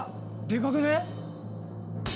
でかくねえ？